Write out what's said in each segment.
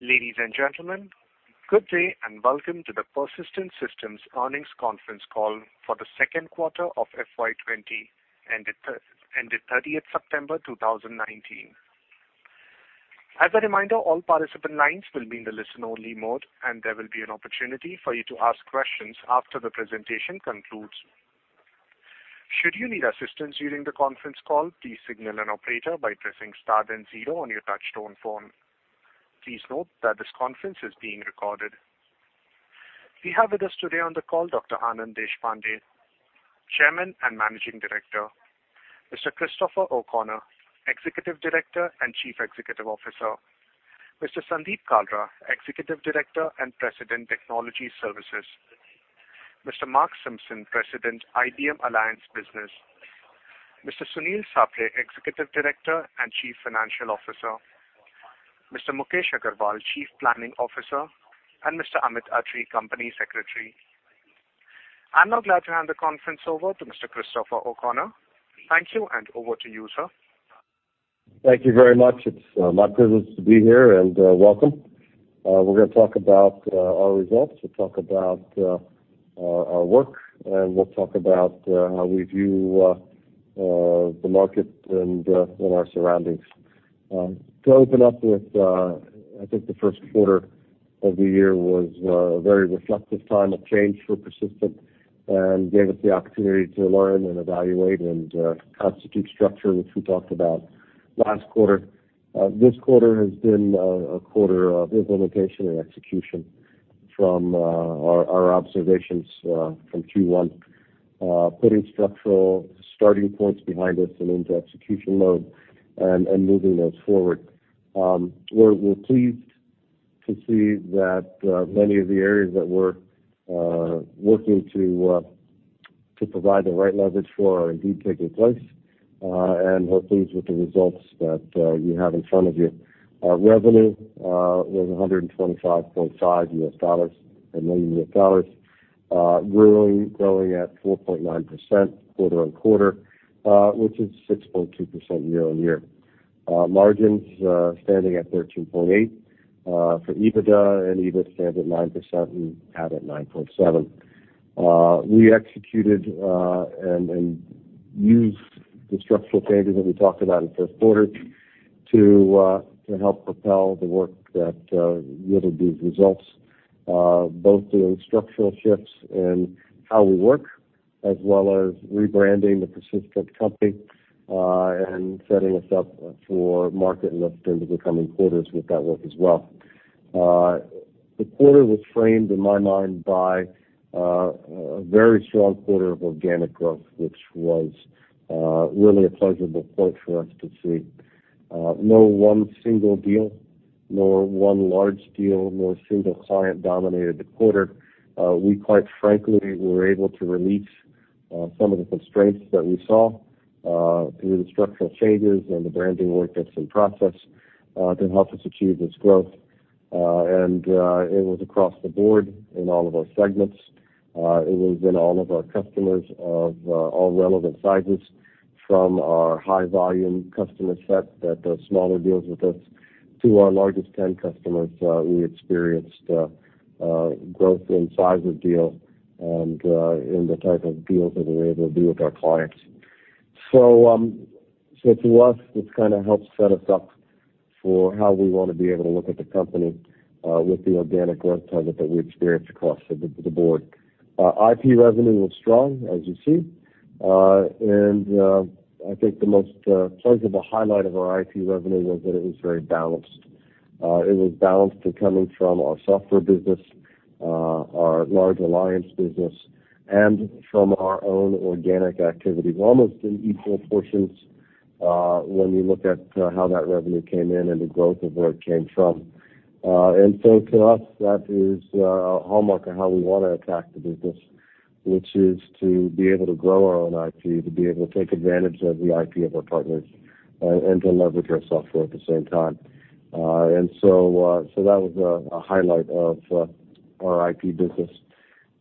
Ladies and gentlemen, good day, and welcome to the Persistent Systems earnings conference call for the second quarter of FY 2020, ended 30th September 2019. As a reminder, all participant lines will be in the listen-only mode, and there will be an opportunity for you to ask questions after the presentation concludes. Should you need assistance during the conference call, please signal an operator by pressing star then zero on your touch-tone phone. Please note that this conference is being recorded. We have with us today on the call, Dr. Anand Deshpande, Chairman and Managing Director; Mr. Christopher O'Connor, Executive Director and Chief Executive Officer; Mr. Sandeep Kalra, Executive Director and President, Technology Services; Mr. Mark Simpson, President, IBM Alliance business; Mr. Sunil Sapre, Executive Director and Chief Financial Officer; Mr. Mukesh Agarwal, Chief Planning Officer; and Mr. Amit Atre, Company Secretary. I'm now glad to hand the conference over to Mr. Christopher O'Connor. Thank you, over to you, sir. Thank you very much. It's my pleasure to be here, and welcome. We're going to talk about our results, we'll talk about our work, and we'll talk about how we view the market and our surroundings. To open up with, I think the first quarter of the year was a very reflective time of change for Persistent and gave us the opportunity to learn and evaluate and constitute structure, which we talked about last quarter. This quarter has been a quarter of implementation and execution from our observations from Q1, putting structural starting points behind us and into execution mode and moving those forward. We're pleased to see that many of the areas that we're working to provide the right leverage for are indeed taking place, and we're pleased with the results that you have in front of you. Our revenue was $125.5 million, growing at 4.9% quarter-on-quarter, which is 6.2% year-on-year. Margins standing at 13.8% for EBITDA and EBIT stand at 9%, and PAT at 9.7%. We executed and used the structural changes that we talked about in the first quarter to help propel the work that yielded these results, both in structural shifts in how we work, as well as rebranding the Persistent company and setting us up for market lift in the coming quarters with that work as well. The quarter was framed in my mind by a very strong quarter of organic growth, which was really a pleasurable point for us to see. No one single deal, no one large deal, no single client dominated the quarter. We quite frankly, were able to release some of the constraints that we saw through the structural changes and the branding work that's in process to help us achieve this growth. It was across the board in all of our segments. It was in all of our customers of all relevant sizes, from our high-volume customer set that does smaller deals with us to our largest 10 customers, we experienced growth in size of deal and in the type of deals that we're able to do with our clients. To us, this helps set us up for how we want to be able to look at the company with the organic growth target that we experienced across the board. IP revenue was strong, as you see. I think the most pleasurable highlight of our IP revenue was that it was very balanced. It was balanced to coming from our software business, our large alliance business, and from our own organic activities, almost in equal portions when we look at how that revenue came in and the growth of where it came from. To us, that is a hallmark of how we want to attack the business, which is to be able to grow our own IP, to be able to take advantage of the IP of our partners, and to leverage our software at the same time. That was a highlight of our IP business.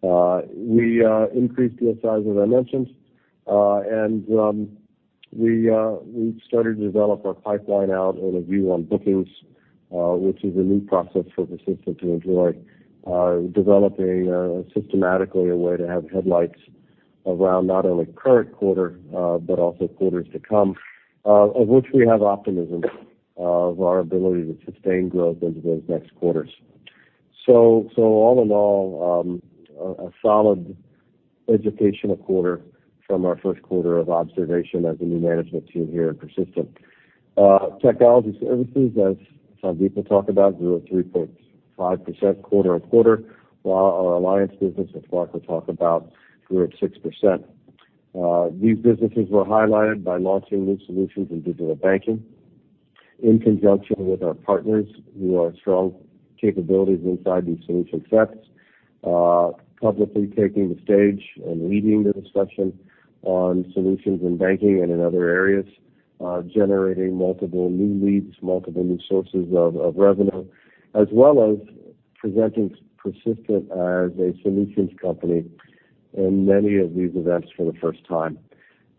We increased the size, as I mentioned, and we started to develop our pipeline out and a view on bookings, which is a new process for Persistent to employ, developing systematically a way to have headlights around not only current quarter, but also quarters to come, of which we have optimism of our ability to sustain growth into those next quarters. All in all, a solid educational quarter from our first quarter of observation as a new management team here at Persistent. Technology services, as Sandeep will talk about, grew at 3.5% quarter-on-quarter, while our alliance business, which Mark will talk about, grew at 6%. These businesses were highlighted by launching new solutions in digital banking. In conjunction with our partners who have strong capabilities inside these solution sets, publicly taking the stage and leading the discussion on solutions in banking and in other areas, generating multiple new leads, multiple new sources of revenue, as well as presenting Persistent as a solutions company in many of these events for the first time.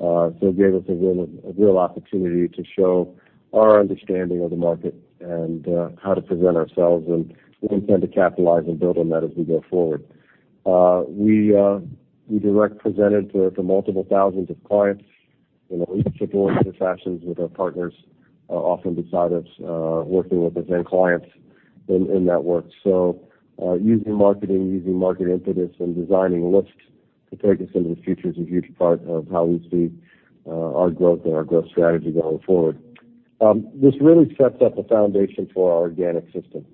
It gave us a real opportunity to show our understanding of the market and how to present ourselves, and we intend to capitalize and build on that as we go forward. We directly presented to multiple thousands of clients in each of the organizations with our partners off and beside us, working with the then clients in that work. Using marketing, using market impetus, and designing lifts to take us into the future is a huge part of how we see our growth and our growth strategy going forward. This really sets up a foundation for our organic system.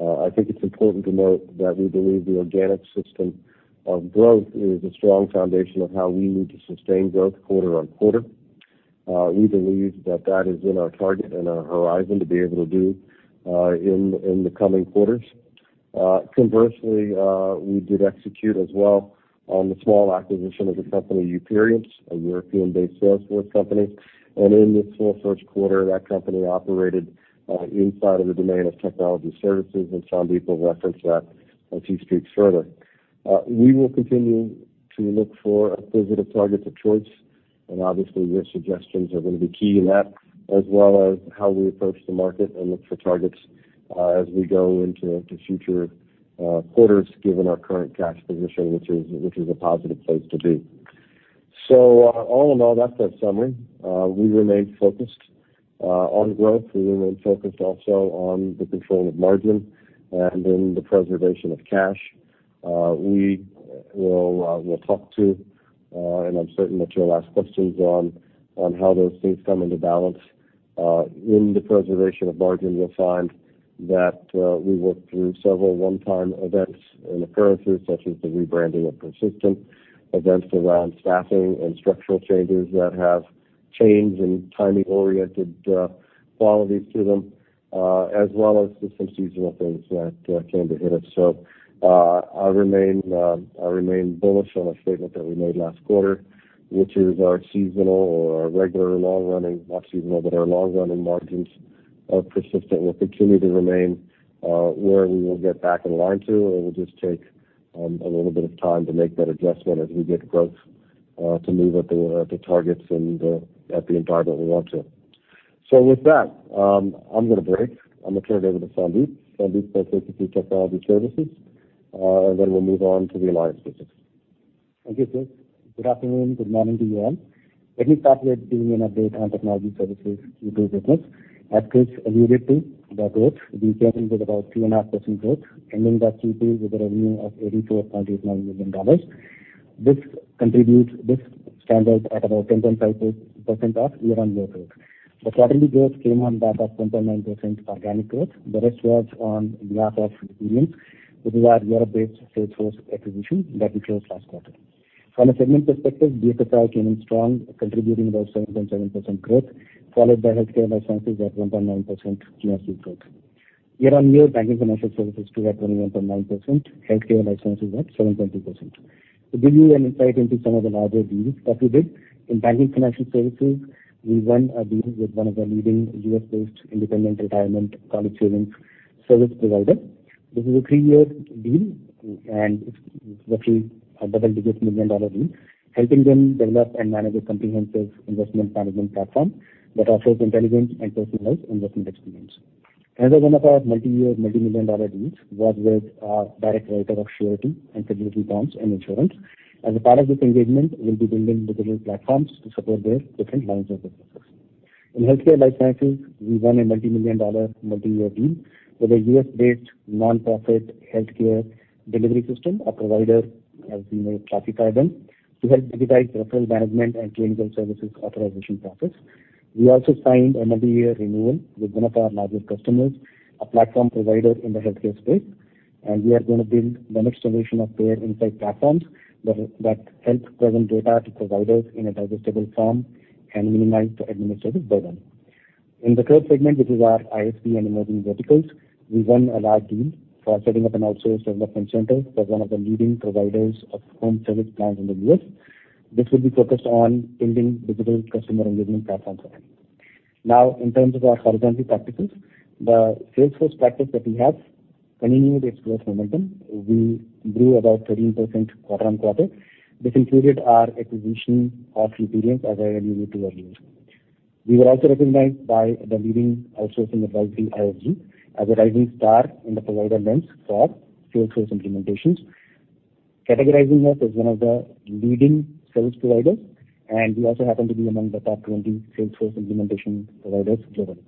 I think it's important to note that we believe the organic system of growth is a strong foundation of how we need to sustain growth quarter on quarter. We believe that that is in our target and our horizon to be able to do in the coming quarters. Conversely, we did execute as well on the small acquisition of the company, Youperience, a European-based Salesforce company. In this full first quarter, that company operated inside of the domain of technology services, and Sandeep will reference that a few streets further. Obviously, your suggestions are going to be key in that, as well as how we approach the market and look for targets as we go into future quarters, given our current cash position, which is a positive place to be. All in all, that's the summary. We remain focused on growth. We remain focused also on the control of margin and in the preservation of cash. We will talk to, and I'm certain that you'll ask questions on how those things come into balance. In the preservation of margin, you'll find that we worked through several one-time events and occurrences, such as the rebranding of Persistent, events around staffing and structural changes that have change and timing-oriented qualities to them, as well as just some seasonal things that came to hit us. I remain bullish on a statement that we made last quarter, which is our seasonal or our regular long-running, not seasonal, but our long-running margins of Persistent will continue to remain where we will get back in line to. It will just take a little bit of time to make that adjustment as we get growth to move at the targets and at the environment we want to. With that, I'm going to break. I'm going to turn it over to Sandeep. Sandeep's going to take us through technology services, and then we'll move on to the alliance business. Thank you, Chris. Good afternoon. Good morning to you all. Let me start with giving an update on technology services Q2 business. As Chris alluded to the growth, we came in with about two and a half percent growth, ending that Q2 with a revenue of $84.89 million. This stands out at about 10.5% of year-on-year growth. The quarterly growth came on the back of 10.9% organic growth. The rest was on the back of Youperience, which is our Europe-based Salesforce acquisition that we closed last quarter. From a segment perspective, BFSI came in strong, contributing about 7.7% growth, followed by healthcare and life sciences at 1.9% year-on-year growth. Year-on-year banking financial services grew at 21.9%, healthcare and life sciences at 7.2%. To give you an insight into some of the larger deals that we did, in banking financial services, we won a deal with one of the leading U.S.-based independent retirement plan savings service providers. This is a three-year deal, and it's roughly a double-digit million dollar deal, helping them develop and manage a comprehensive investment management platform that offers intelligent and personalized investment experience. Another one of our multi-year, multi-million dollar deals was with a direct writer of surety and fidelity bonds and insurance. As a part of this engagement, we'll be building digital platforms to support their different lines of businesses. In healthcare life sciences, we won a multi-million dollar, multi-year deal with a U.S.-based non-profit healthcare delivery system, a provider, as we may classify them, to help digitize referral management and clinical services authorization process. We also signed a multi-year renewal with one of our largest customers, a platform provider in the healthcare space, and we are going to build the next generation of care insight platforms that help present data to providers in a digestible form and minimize the administrative burden. In the third segment, which is our ISV and emerging verticals, we won a large deal for setting up an outsourced development center for one of the leading providers of home service plans in the U.S. This will be focused on building digital customer engagement platforms for them. Now, in terms of our horizontal practices, the Salesforce practice that we have continued its growth momentum. We grew about 13% quarter-on-quarter. This included our acquisition of Youperience, as I alluded to earlier. We were also recognized by the leading outsourcing advisory, ISG, as a rising star in the provider lens for Salesforce implementations, categorizing us as one of the leading service providers. We also happen to be among the top 20 Salesforce implementation providers globally.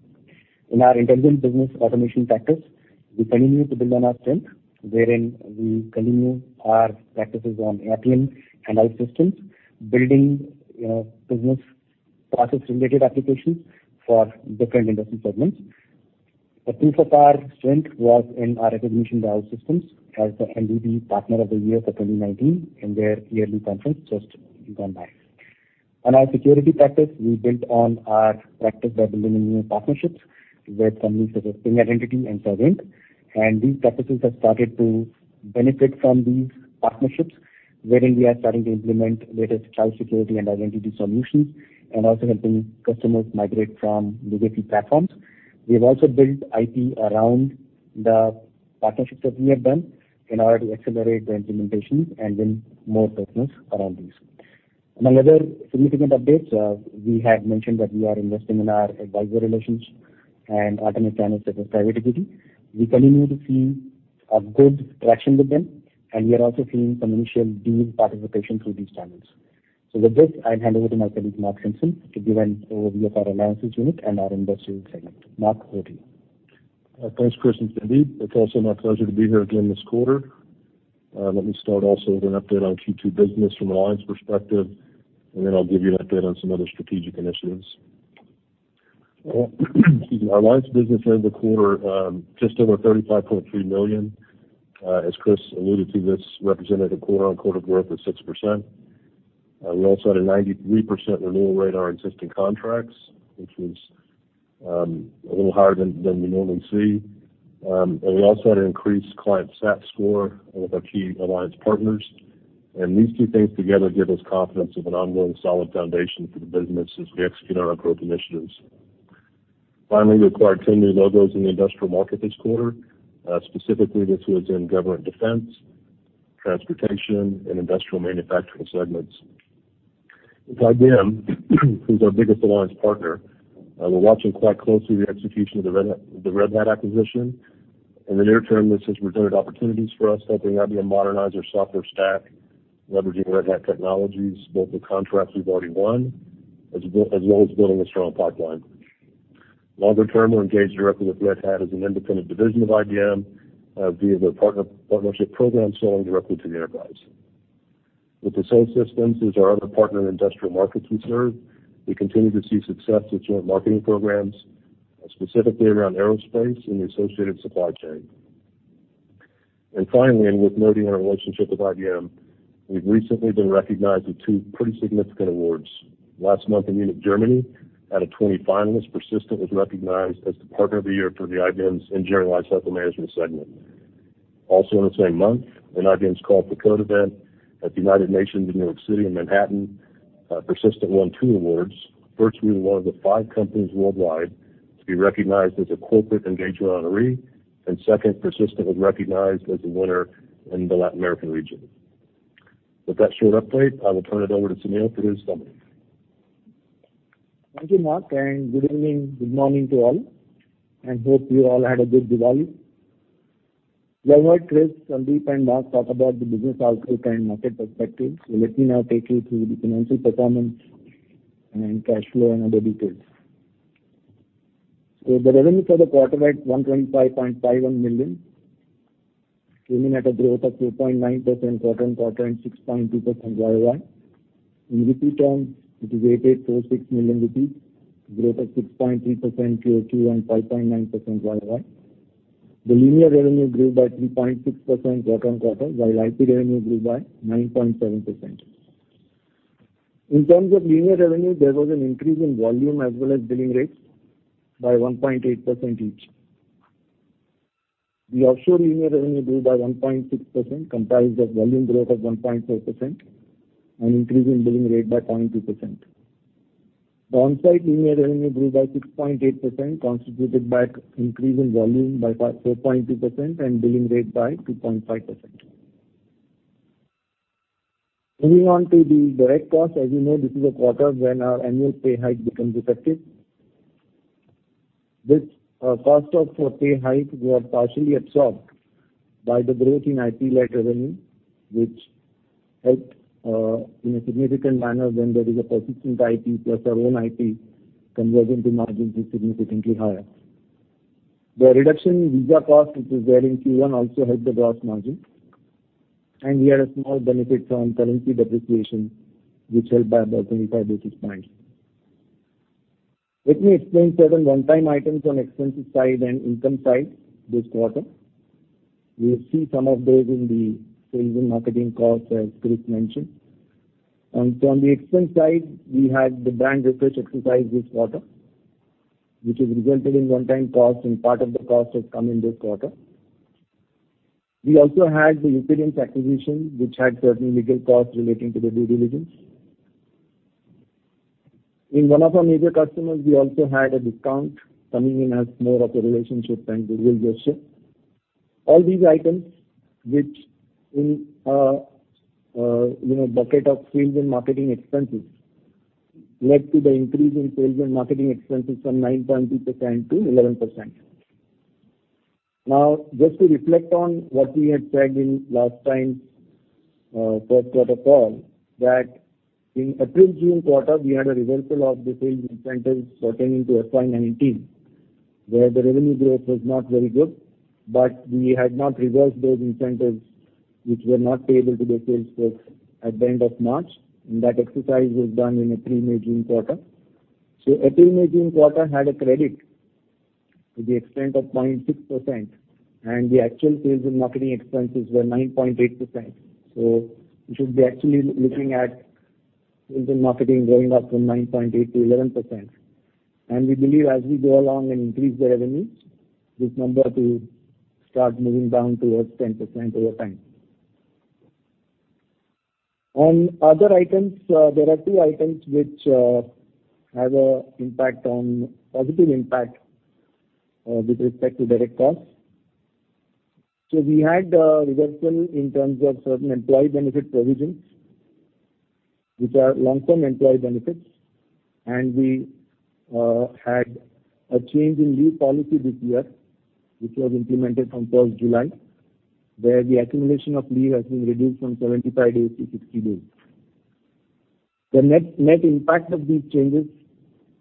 In our intelligent business automation practice, we continue to build on our strength, wherein we continue our practices on Appian and OutSystems, building business process-related applications for different industry segments. A proof of our strength was in our recognition by OutSystems as the NBD Partner of the Year for 2019 in their yearly conference just gone by. In our security practice, we built on our practice by building new partnerships with companies such as Ping Identity and Saviynt. These practices have started to benefit from these partnerships, wherein we are starting to implement various cloud security and identity solutions and also helping customers migrate from legacy platforms. We have also built IP around the partnerships that we have done in order to accelerate the implementations and win more business around these. Among other significant updates, we had mentioned that we are investing in our advisor relations and alternate channels such as private equity. We continue to see a good traction with them, and we are also seeing some initial deal participation through these channels. With this, I'll hand over to my colleague, Mark Simpson, to give an overview of our alliances unit and our industrial segment. Mark, over to you. Thanks, Chris and Sandeep. It's also my pleasure to be here again this quarter. Let me start also with an update on Q2 business from alliance perspective, then I'll give you an update on some other strategic initiatives. Excuse me. Our alliance business ended the quarter just over 35.3 million. As Chris alluded to, this represented a quarter-on-quarter growth of 6%. We also had a 93% renewal rate on our existing contracts, which was a little higher than we normally see. We also had an increased client sat score with our key alliance partners. These two things together give us confidence of an ongoing solid foundation for the business as we execute on our growth initiatives. Finally, we acquired 10 new logos in the industrial market this quarter. Specifically, this was in government defense, transportation, and industrial manufacturing segments. With IBM, who's our biggest alliance partner, we're watching quite closely the execution of the Red Hat acquisition. In the near term, this has presented opportunities for us, helping IBM modernize their software stack, leveraging Red Hat technologies, both with contracts we've already won, as well as building a strong pipeline. Longer term, we're engaged directly with Red Hat as an independent division of IBM via their partnership program, selling directly to the enterprise. With Dassault Systèmes as our other partner in industrial markets we serve, we continue to see success with joint marketing programs, specifically around aerospace and the associated supply chain. Finally, and with noting our relationship with IBM, we've recently been recognized with two pretty significant awards. Last month in Munich, Germany, out of 20 finalists, Persistent was recognized as the Partner of the Year for the IBM's Engineering Lifecycle Management segment. Also in the same month, in IBM's Call for Code event at the United Nations in New York City in Manhattan, Persistent won two awards. First, we were one of the five companies worldwide to be recognized as a corporate engagement honoree, and second, Persistent was recognized as a winner in the Latin American region. With that short update, I will turn it over to Sunil for his comments. Thank you, Mark, and good evening, good morning to all, and hope you all had a good Diwali. You have heard Chris, Sandeep, and Mark talk about the business outlook and market perspective. Let me now take you through the financial performance and cash flow and other details. The revenue for the quarter at $125.51 million, came in at a growth of 2.9% quarter-on-quarter and 6.2% year-over-year. In rupee terms, it is 8,846 million rupees, growth of 6.3% QoQ and 5.9% year-over-year. The linear revenue grew by 3.6% quarter-on-quarter, while IP revenue grew by 9.7%. In terms of linear revenue, there was an increase in volume as well as billing rates by 1.8% each. The offshore linear revenue grew by 1.6%, comprised of volume growth of 1.4% and increase in billing rate by 0.2%. The onsite linear revenue grew by 6.8%, constituted by increase in volume by 4.2% and billing rate by 2.5%. Moving on to the direct costs. As you know, this is a quarter when our annual pay hike becomes effective. This cost of pay hike were partially absorbed by the growth in IP-led revenue, which helped in a significant manner when there is a Persistent IP plus our own IP converging to margins is significantly higher. The reduction in visa cost, which was there in Q1, also helped the gross margin. We had a small benefit from currency depreciation, which helped by about 25 basis points. Let me explain certain one-time items on expenses side and income side this quarter. You'll see some of those in the sales and marketing costs, as Chris mentioned. On the expense side, we had the brand refresh exercise this quarter, which has resulted in one-time costs, and part of the cost has come in this quarter. We also had the Youperience acquisition, which had certain legal costs relating to the due diligence. In one of our major customers, we also had a discount coming in as more of a relationship time goodwill gesture. All these items, which in a bucket of sales and marketing expenses, led to the increase in sales and marketing expenses from 9.2% to 11%. Just to reflect on what we had said in last time's first quarter call, that in April, June quarter, we had a reversal of the sales incentives pertaining to FY 19, where the revenue growth was not very good, but we had not reversed those incentives which were not payable to the sales folks at the end of March, and that exercise was done in April, May, June quarter. April, May, June quarter had a credit to the extent of 0.6%, and the actual sales and marketing expenses were 9.8%. We should be actually looking at sales and marketing going up from 9.8% to 11%. We believe as we go along and increase the revenue, this number to start moving down towards 10% over time. On other items, there are two items which have a positive impact with respect to direct costs. We had a reversal in terms of certain employee benefit provisions, which are long-term employee benefits, and we had a change in leave policy this year, which was implemented from first July, where the accumulation of leave has been reduced from 75 days to 60 days. The net impact of these changes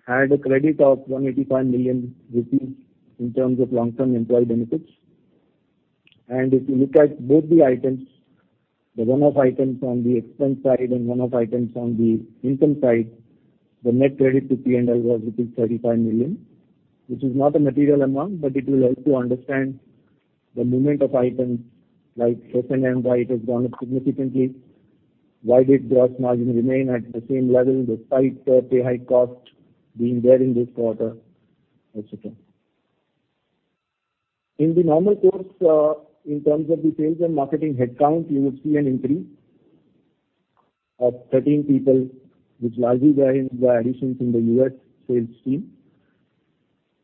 had a credit of 185 million rupees in terms of long-term employee benefits. If you look at both the items, the one-off items on the expense side and one-off items on the income side, the net credit to P&L was rupees 35 million, which is not a material amount. It will help to understand the movement of items like SG&A, why it has gone up significantly, why did gross margin remain at the same level despite the high cost being there in this quarter, et cetera. In the normal course, in terms of the sales and marketing headcount, you would see an increase of 13 people, which largely were additions in the U.S. sales team.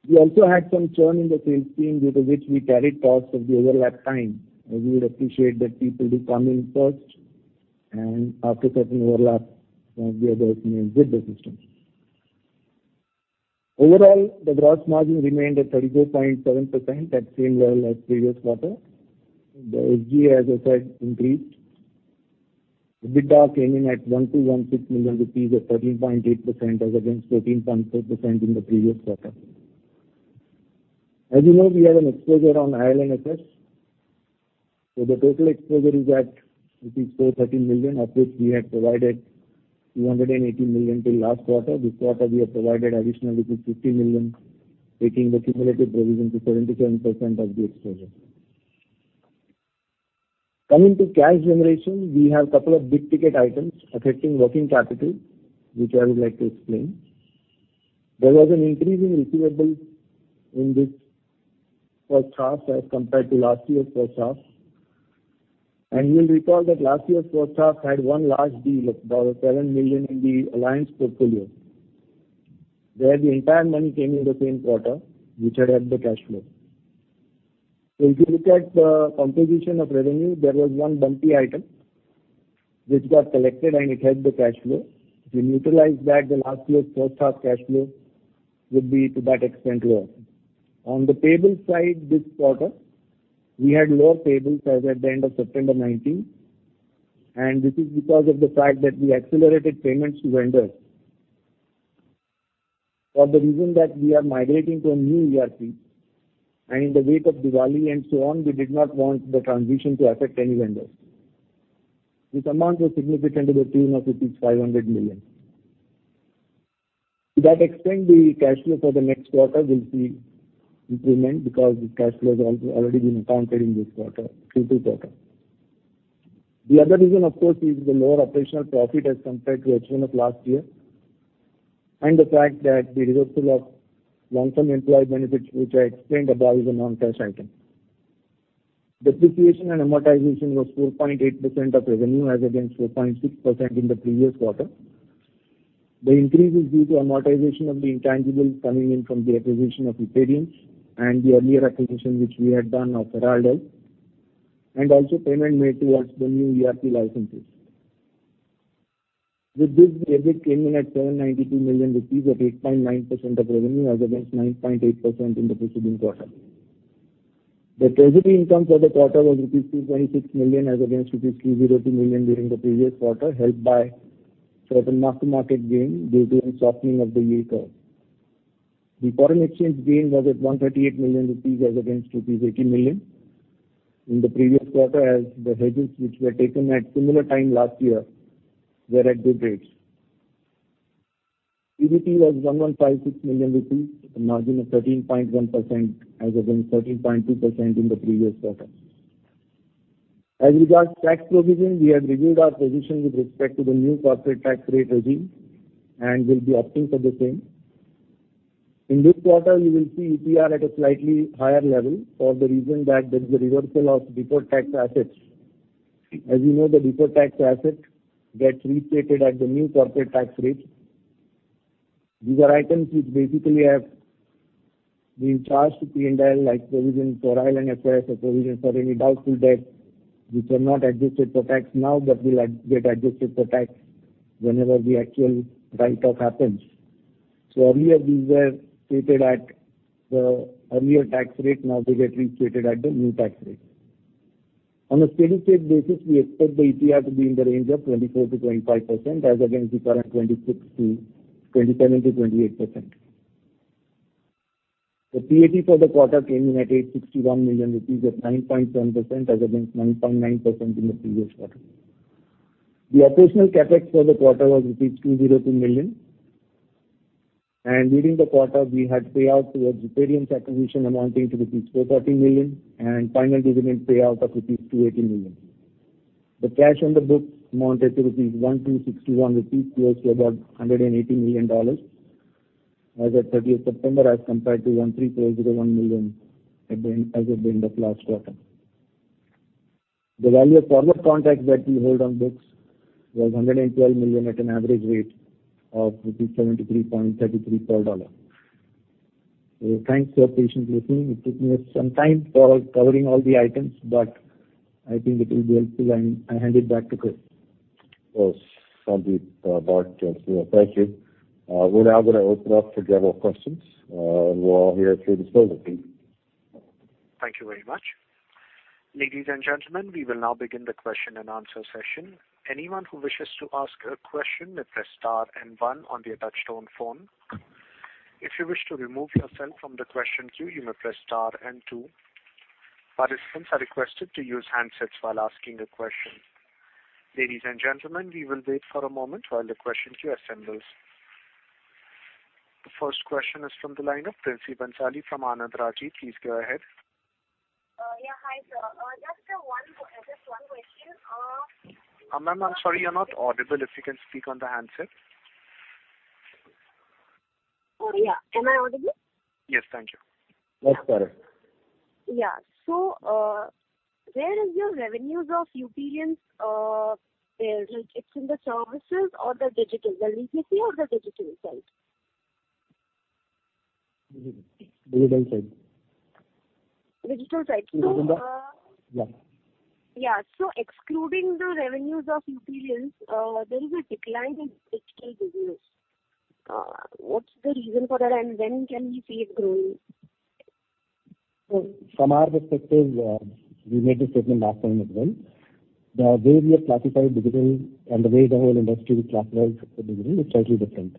We also had some churn in the sales team, due to which we carried costs of the overlap time, as you would appreciate that people do come in first and after certain overlap, some of the others may exit the system. Overall, the gross margin remained at 34.7%, at same level as previous quarter. The SG, as I said, increased. EBITDA came in at 1,216 million rupees, or 13.8%, as against 13.4% in the previous quarter. As you know, we have an exposure on IL&FS. The total exposure is at 430 million, of which we had provided 280 million till last quarter. This quarter, we have provided additional 50 million, taking the cumulative provision to 77% of the exposure. Coming to cash generation, we have couple of big-ticket items affecting working capital, which I would like to explain. There was an increase in receivables in this first half as compared to last year's first half. You'll recall that last year's first half had one large deal of about 7 million in the alliance portfolio, where the entire money came in the same quarter, which had helped the cash flow. If you look at the composition of revenue, there was one bumpy item which got collected, and it helped the cash flow. If you neutralize that, the last year's first half cash flow would be to that extent lower. On the payable side this quarter, we had lower payables as at the end of September 2019, and this is because of the fact that we accelerated payments to vendors for the reason that we are migrating to a new ERP, and in the wake of Diwali and so on, we did not want the transition to affect any vendors. This amount was significant to the tune of rupees 500 million. To that extent, the cash flow for the next quarter will see improvement because the cash flow has already been accounted in this quarter, fiscal quarter. The other reason, of course, is the lower operational profit as compared to June of last year, and the fact that the reversal of long-term employee benefits, which I explained above, is a non-cash item. Depreciation and amortization was 4.8% of revenue, as against 4.6% in the previous quarter. The increase is due to amortization of the intangibles coming in from the acquisition of Youperience and the earlier acquisition which we had done of Herald Health, and also payment made towards the new ERP licenses. With this, the EBIT came in at 792 million rupees at 8.9% of revenue, as against 9.8% in the preceding quarter. The treasury income for the quarter was rupees 226 million, as against rupees 202 million during the previous quarter, helped by certain mark-to-market gain due to the softening of the yield curve. The foreign exchange gain was at 138 million rupees, as against rupees 80 million in the previous quarter as the hedges which were taken at similar time last year were at good rates. PBT was INR. 1,156 million rupees, with a margin of 13.1%, as against 13.2% in the previous quarter. As regards tax provision, we had reviewed our position with respect to the new corporate tax rate regime and will be opting for the same. In this quarter, you will see ETR at a slightly higher level for the reason that there is a reversal of deferred tax assets. As you know, the deferred tax asset gets restated at the new corporate tax rate. These are items which basically have been charged to P&L, like provision for IL&FS or provision for any doubtful debt, which are not adjusted for tax now, but will get adjusted for tax whenever the actual write-off happens. Earlier, these were stated at the earlier tax rate. Now they get restated at the new tax rate. On a steady-state basis, we expect the EPR to be in the range of 24%-25%, as against the current 27%-28%. The PAT for the quarter came in at 861 million rupees, at 9.7%, as against 9.9% in the previous quarter. During the quarter we had payout towards Youperience's acquisition amounting to rupees 430 million and final dividend payout of rupees 218 million. The cash on the books amounted to 1,261 rupees, close to about $180 million as of 30th September, as compared to $134.01 million as of the end of last quarter. The value of forward contracts that we hold on books was $112 million at an average rate of 73.33 per dollar. Thanks for patiently listening. It took me some time for covering all the items, but I think it will be helpful. I hand it back to Chris. Of course, Sandeep Kalra. Thank you. We're now going to open up for demo questions, and we're all ears here to listen. Thank you very much. Ladies and gentlemen, we will now begin the question and answer session. Anyone who wishes to ask a question may press star and one on their touchtone phone. If you wish to remove yourself from the question queue, you may press star and two. Participants are requested to use handsets while asking a question. Ladies and gentlemen, we will wait for a moment while the question queue assembles. The first question is from the line of Princy Bhansali from Anand Rathi. Please go ahead. Yeah. Hi, sir. Just one question. Ma'am, I'm sorry you're not audible. If you can speak on the handset. Yeah. Am I audible? Yes. Thank you. That's better. Yeah. Where is your revenues of UPN? It's in the services or the digital, the legacy or the digital side? Digital side. Digital side. Yeah. Yeah. Excluding the revenues of Youperience, there is a decline in digital business. What's the reason for that, and when can we see it growing? From our perspective, we made the statement last time as well, the way we have classified digital and the way the whole industry classifies digital is slightly different.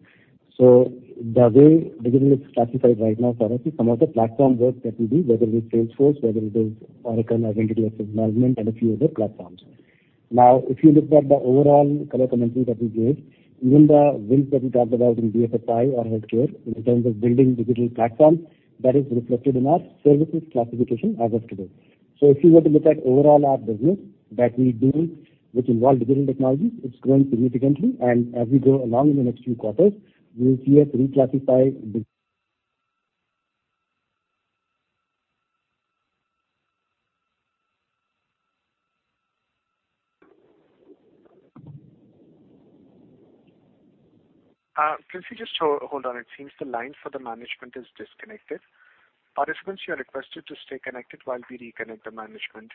The way digital is classified right now for us is some of the platform work that we do, whether it is Salesforce, whether it is Oracle Identity and Access Management, and a few other platforms. If you look at the overall color commentary that we gave, even the wins that we talked about in BFSI or healthcare in terms of building digital platforms, that is reflected in our services classification as of today. If you were to look at overall our business that we do, which involve digital technologies, it's growing significantly, and as we go along in the next few quarters, you will see us reclassify digital. Please just hold on. It seems the line for the management is disconnected. Participants, you are requested to stay connected while we reconnect the management.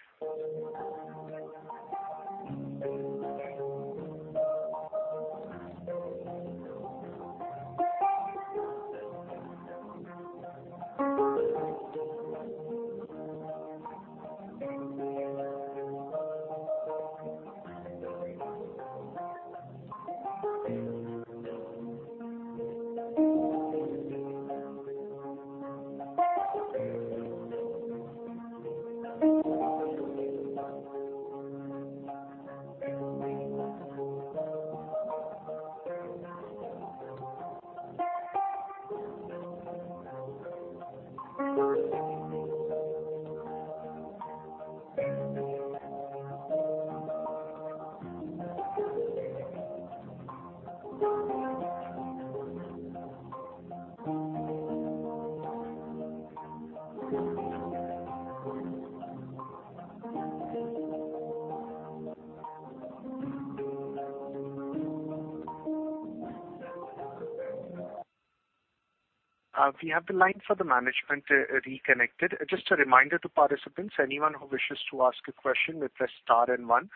We have the line for the management reconnected. Just a reminder to participants, anyone who wishes to ask a question may press star and one.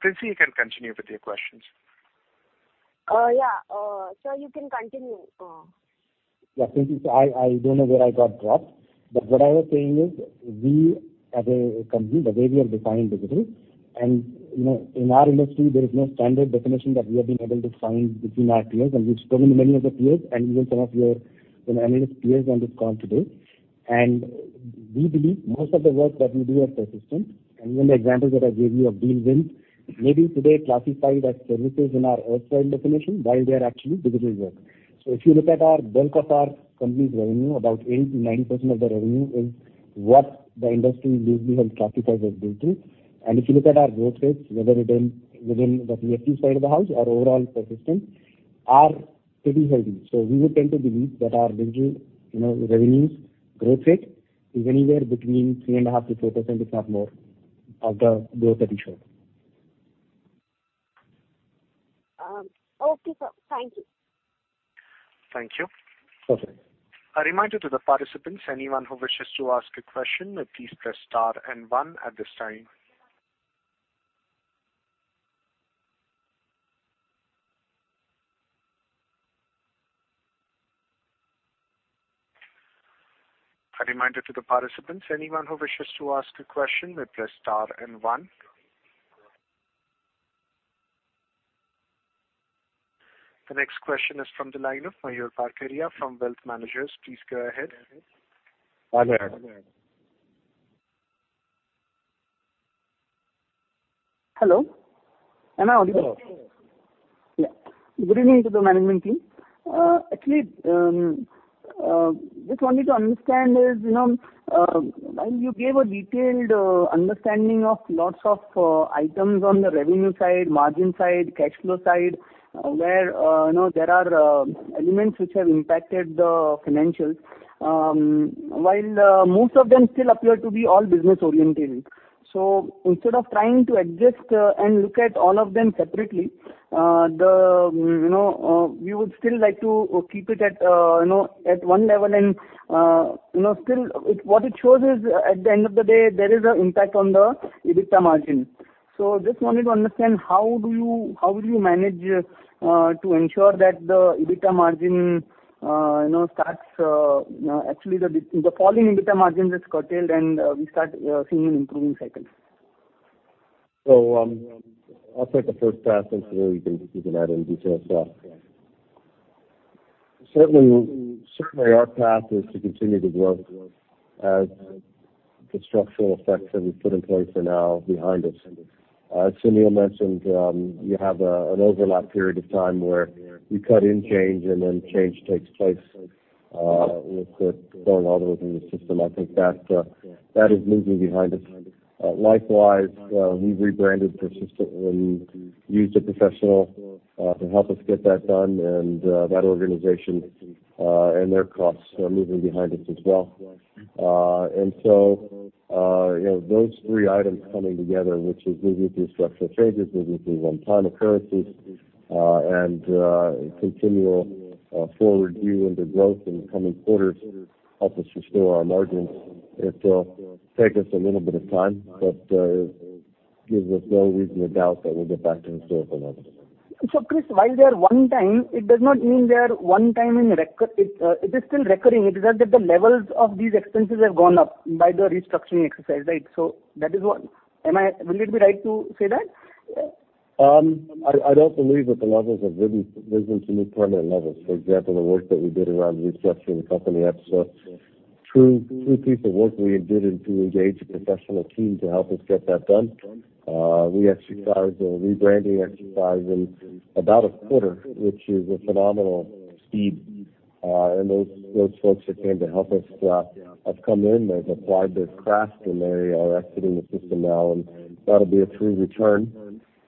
Princy, you can continue with your questions. Yeah. Sir, you can continue. Yeah, Princy. I don't know where I got dropped, but what I was saying is we as a company, the way we have defined digital and in our industry, there is no standard definition that we have been able to find between our peers and we've spoken to many of the peers and even some of your analyst peers on this call today. We believe most of the work that we do at Persistent and even the examples that I gave you of deal wins may be today classified as services in our outside definition while they are actually digital work. If you look at our bulk of our company's revenue, about 80%-90% of the revenue is what the industry loosely has classified as digital. If you look at our growth rates, whether within the BFSI side of the house or overall at Persistent are pretty healthy. We would tend to believe that our digital revenues growth rate is anywhere between 3.5% to 4%, if not more of the growth that we showed. Okay, sir. Thank you. Thank you. Okay. The next question is from the line of Mayur Parkeria from Wealth Managers. Please go ahead. Mayur Hello. Am I audible? Yes. Yeah. Good evening to the management team. Actually, just wanted to understand is, while you gave a detailed understanding of lots of items on the revenue side, margin side, cash flow side, where there are elements which have impacted the financials. While most of them still appear to be all business orientated. Instead of trying to adjust and look at all of them separately, we would still like to keep it at one level and still, what it shows is, at the end of the day, there is an impact on the EBITDA margin. Just wanted to understand, how will you manage to ensure that the falling EBITDA margins is curtailed and we start seeing an improving cycle? I'll take the first pass and Sunil you can add any details there. Certainly our path is to continue to grow as the structural effects that we've put in place are now behind us. As Sunil mentioned, you have an overlap period of time where we cut in change, and then change takes place with going all the way through the system. I think that is moving behind us. Likewise, we've rebranded Persistent and used a professional to help us get that done and that organization and their costs are moving behind us as well. Those three items coming together, which is moving through structural changes, moving through one-time occurrences, and continual forward view into growth in the coming quarters, help us restore our margins. It'll take us a little bit of time, but it gives us no reason to doubt that we'll get back to historical levels. Chris, while they are one time, it does not mean they are one time. It is still recurring. It is just that the levels of these expenses have gone up by the restructuring exercise. Right? Will it be right to say that? I don't believe that the levels have risen to new permanent levels. For example, the work that we did around restructuring the company had two pieces of work. We engaged a professional team to help us get that done. We exercised a rebranding exercise in about a quarter, which is a phenomenal speed. Those folks that came to help us have come in, they've applied their craft and they are exiting the system now, and that'll be a true return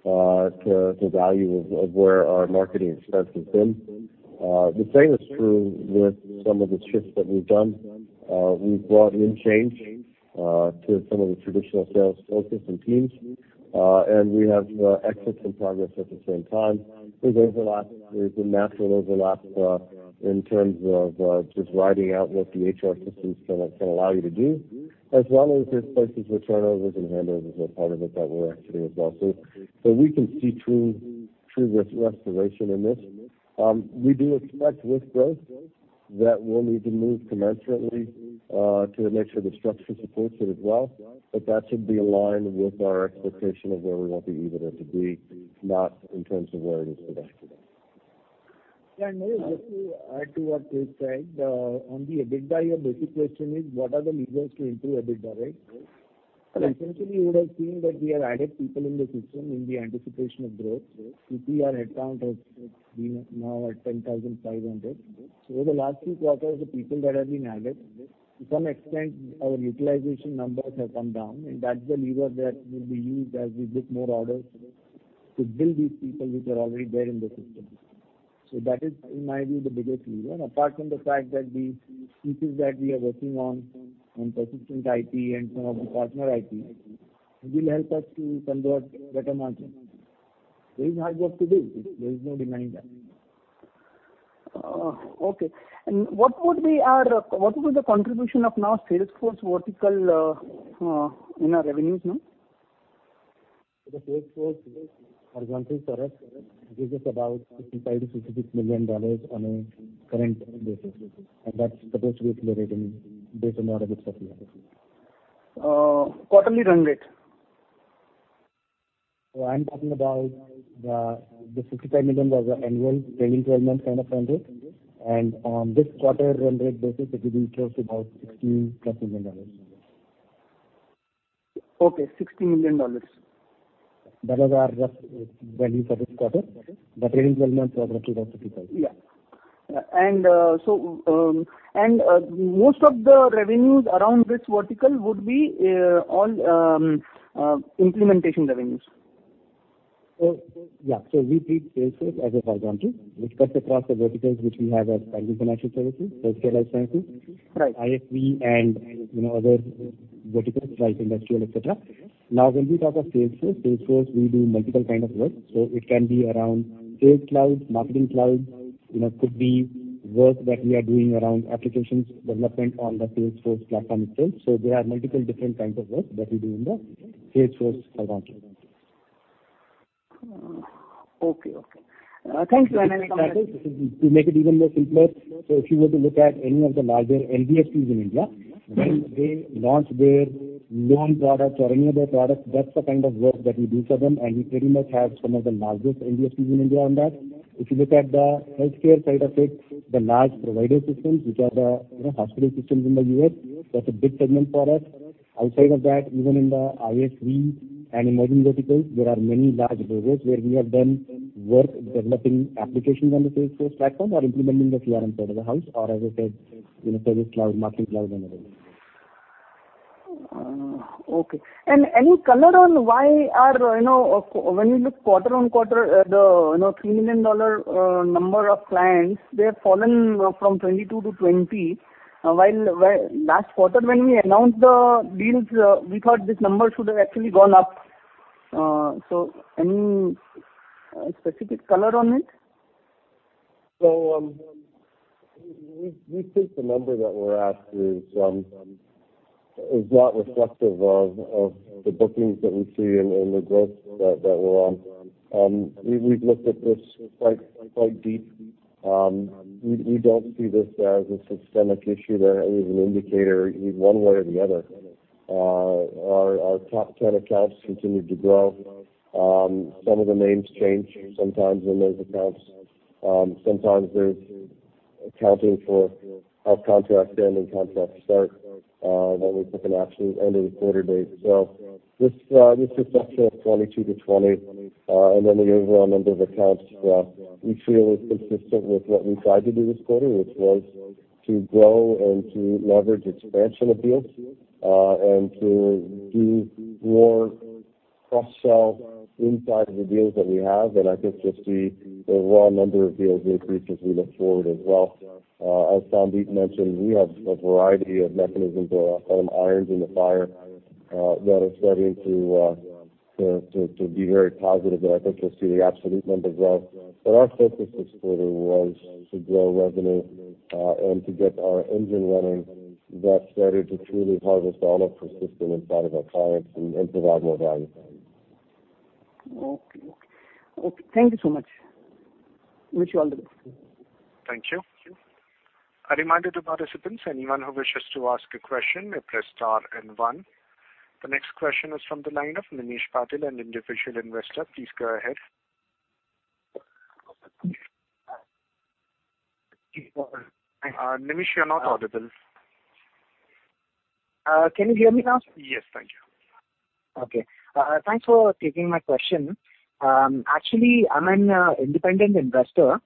to value of where our marketing expense has been. The same is true with some of the shifts that we've done. We've brought in change to some of the traditional sales folks and teams. We have exits in progress at the same time. There's a natural overlap in terms of just riding out what the HR systems can allow you to do. As well as there's places where turnovers and handovers are part of it that we're exiting as well. We can see true risk restoration in this. We do expect with growth, that we'll need to move commensurately to make sure the structure supports it as well. That should be aligned with our expectation of where we want the EBITDA to be, not in terms of where it is today. Yeah, maybe just to add to what Chris said. On the EBITDA, your basic question is what are the levers to improve EBITDA, right? Correct. You would have seen that we have added people in the system in the anticipation of growth. If you see our headcount has been now at 10,500. Over the last few quarters, the people that have been added, to some extent, our utilization numbers have come down, and that's the lever that will be used as we book more orders to bill these people which are already there in the system. That is, in my view, the biggest lever, apart from the fact that these pieces that we are working on Persistent IP and some of the partner IP, will help us to convert better margins. There is hard work to do. There is no denying that. Okay. What would be the contribution of now Salesforce vertical in our revenues now? The Salesforce horizontal for us gives us about $65 million-$66 million on a current run rate basis, and that's supposed to be accelerating based on our good visibility. Quarterly run rate. I'm talking about the $65 million annual, trailing 12 months kind of run rate. On this quarter run rate basis, it will be close to about $60+ million. Okay, INR 60 million. That was our rough value for this quarter, but trailing 12 months are roughly about 65%. Yeah. Most of the revenues around this vertical would be all implementation revenues? Yeah. We treat Salesforce as a horizontal, which cuts across the verticals which we have as financial services, healthcare life sciences. Right ISV and other verticals like industrial, et cetera. When we talk of Salesforce, we do multiple kind of work. It can be around Sales Cloud, Marketing Cloud, it could be work that we are doing around applications development on the Salesforce platform itself. There are multiple different kinds of work that we do in the Salesforce horizontal. Okay. Thank you. Any comments? To make it even more simpler, if you were to look at any of the larger NBFCs in India, when they launch their loan products or any other products, that's the kind of work that we do for them. We pretty much have some of the largest NBFCs in India on that. If you look at the healthcare side of it, the large provider systems, which are the hospital systems in the U.S., that's a big segment for us. Outside of that, even in the ISV and emerging verticals, there are many large brokers where we have done work developing applications on the Salesforce platform or implementing the CRM side of the house or as I said, Service Cloud, Marketing Cloud and other things. Okay. Any color on why when you look quarter-on-quarter, the 3 million number of clients, they have fallen from 22 to 20, while last quarter when we announced the deals, we thought this number should have actually gone up. Any specific color on it? We think the number that we're at is not reflective of the bookings that we see and the growth that we're on. We've looked at this quite deep. We don't see this as a systemic issue there or as an indicator one way or the other. Our top 10 accounts continued to grow. Some of the names change sometimes in those accounts. Sometimes there's accounting for how contracts end and contracts start. We took an absolute end of the quarter date. This reduction of 22 to 20, and then the overall number of accounts, we feel is consistent with what we tried to do this quarter, which was to grow and to leverage expansion of deals, and to do more cross-sell inside the deals that we have. I think you'll see the raw number of deals increase as we look forward as well. As Sandeep mentioned, we have a variety of mechanisms or irons in the fire, that are starting to be very positive there. I think you'll see the absolute number grow. Our focus this quarter was to grow revenue, and to get our engine running, that started to truly harvest all of Persistent inside of our clients and provide more value. Okay. Thank you so much. Wish you all the best. Thank you. A reminder to participants, anyone who wishes to ask a question, may press star and one. The next question is from the line of Nimish Patil, an individual investor. Please go ahead. Nimish, you're not audible. Can you hear me now? Yes. Thank you. Okay. Thanks for taking my question. Actually, I'm an independent investor,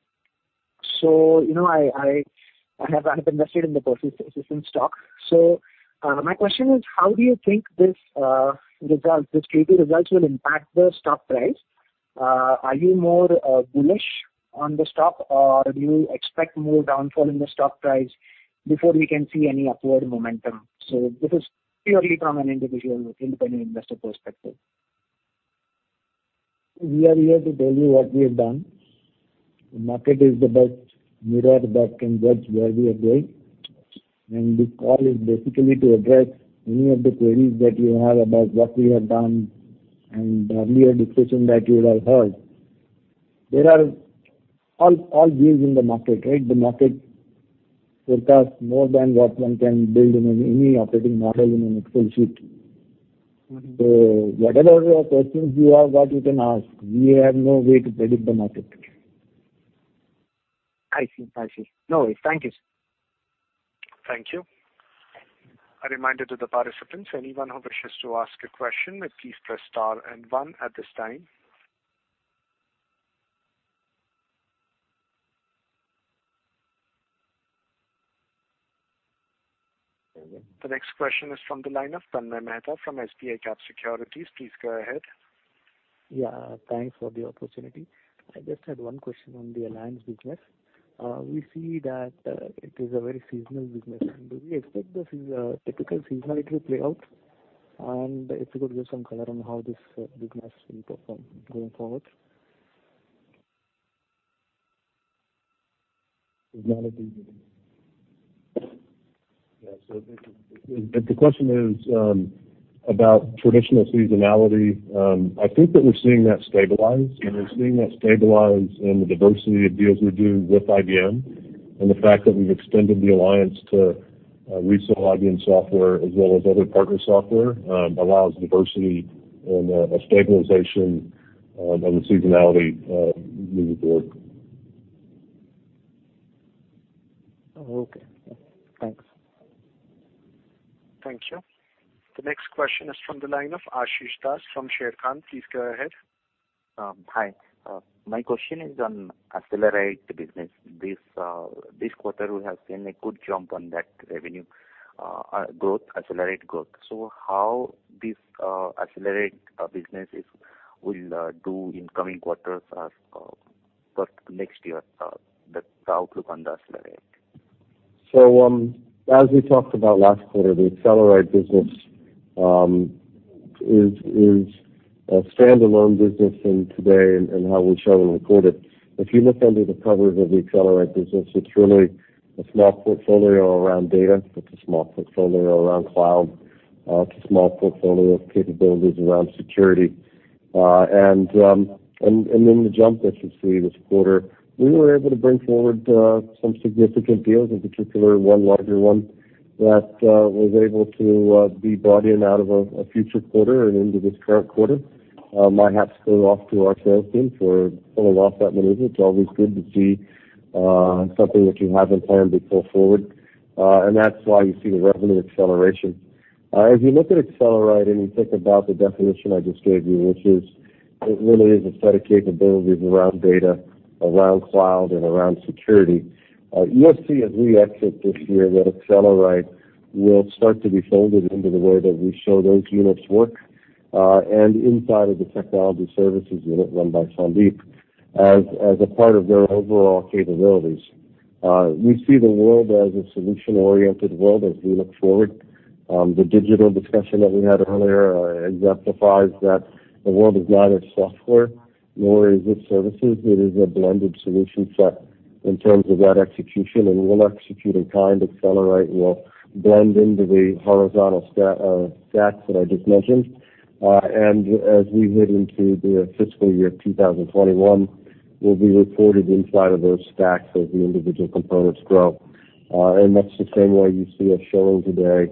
I have invested in the Persistent Systems stock. My question is, how do you think this Q2 results will impact the stock price? Are you more bullish on the stock or do you expect more downfall in the stock price before we can see any upward momentum? This is purely from an individual independent investor perspective. We are here to tell you what we have done. The market is the best mirror that can judge where we are going. This call is basically to address any of the queries that you have about what we have done and earlier discussion that you would have heard. There are all deals in the market, right? The market forecasts more than what one can build in any operating model in an Excel sheet. Whatever questions you have, what you can ask. We have no way to predict the market. I see. No. Thank you, sir. Thank you. A reminder to the participants, anyone who wishes to ask a question may please press star and one at this time. The next question is from the line of Tanmay Mehta from SBICAP Securities. Please go ahead. Yeah. Thanks for the opportunity. I just had one question on the alliance business. We see that it is a very seasonal business. Do we expect the typical seasonality play out? If you could give some color on how this business will perform going forward. Seasonality. Yeah. If the question is about traditional seasonality, I think that we're seeing that stabilize. We're seeing that stabilize in the diversity of deals we do with IBM, and the fact that we've extended the alliance to resell IBM software as well as other partner software, allows diversity and a stabilization of the seasonality moving forward. Okay. Thanks. Thank you. The next question is from the line of Ashish Das from Sharekhan. Please go ahead. Hi. My question is on Accelerite business. This quarter, we have seen a good jump on that revenue growth, Accelerite growth. How this Accelerite business will do in coming quarters as per next year? The outlook on the Accelerite. As we talked about last quarter, the Accelerite business is a standalone business in today and how we show and record it. If you look under the covers of the Accelerite business, it's really a small portfolio around data. It's a small portfolio around cloud. It's a small portfolio of capabilities around security. The jump that you see this quarter, we were able to bring forward some significant deals, in particular, one larger one that was able to be brought in out of a future quarter and into this current quarter. My hats go off to our sales team for pulling off that maneuver. It's always good to see something that you haven't planned before forward. That's why you see the revenue acceleration. As you look at Accelerite and you think about the definition I just gave you, which is, it really is a set of capabilities around data, around cloud, and around security. You will see as we exit this year that Accelerite will start to be folded into the way that we show those units work, and inside of the technology services unit run by Sandeep as a part of their overall capabilities. We see the world as a solution-oriented world as we look forward. The digital discussion that we had earlier exemplifies that the world is neither software nor is it services. It is a blended solution set in terms of that execution. We'll execute in kind. Accelerite will blend into the horizontal stacks that I just mentioned. As we head into the fiscal year 2021, we'll be reported inside of those stacks as the individual components grow. That's the same way you see us showing today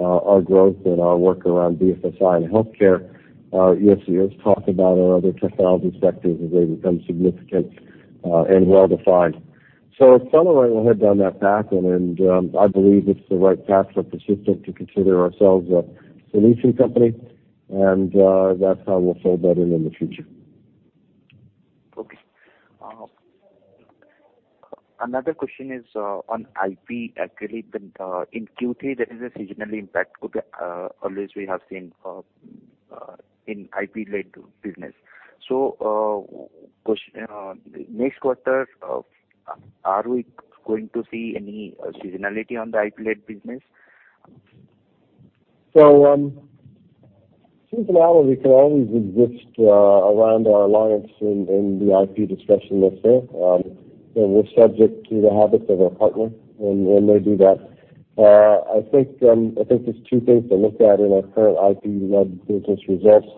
our growth and our work around BFSI and healthcare. You'll see us talk about our other technology sectors as they become significant and well-defined. Accelerite will head down that path and I believe it's the right path for Persistent to consider ourselves a solution company and that's how we'll fold that in the future. Okay. Another question is on IP. Actually, in Q3, there is a seasonal impact always we have seen in IP-led business. Next quarter, are we going to see any seasonality on the IP-led business? Seasonality can always exist around our alliance in the IP discussion that is there. We're subject to the habits of our partner when they do that. I think there's two things to look at in our current IP-led business results.